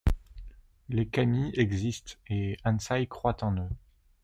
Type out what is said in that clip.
Les kami existent et Ansai croit en eux.